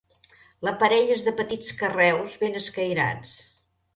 L'aparell és de petits carreus ben escairats.